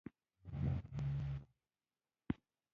په همدې حال کې په مرکزي اسیا کې یو ځواک راڅرګند شو.